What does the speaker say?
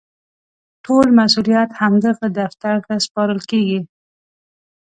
ټول مسوولیت همدغه دفتر ته سپارل کېږي.